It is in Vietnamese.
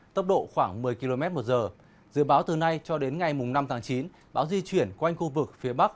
tốc độ khoảng một mươi km một giờ dự báo từ nay cho đến ngày năm tháng chín bão di chuyển quanh khu vực phía bắc